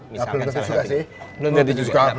belum jadi juga sih